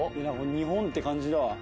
日本って感じだわ。